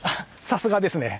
さすがですね。